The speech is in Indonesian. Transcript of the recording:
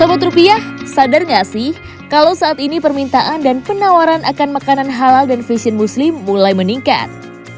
lima rupiah sadar nggak sih kalau saat ini permintaan dan penawaran akan makanan halal dan fashion muslim mulai meningkat